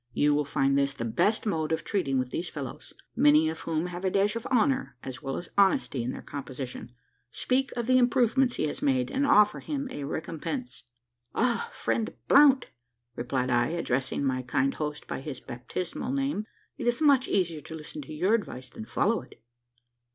You will find this the best mode of treating with these fellows many of whom have a dash of honour, as well as honesty in their composition. Speak of the improvements he has made, and offer him a recompense." "Ah! friend Blount," replied I, addressing my kind host by his baptismal name, "it is much easier to listen to your advice than follow it."